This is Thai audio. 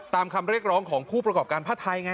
ตามคำเรียกร้องของผู้ประกอบการผ้าไทยไง